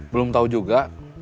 belum tahu juga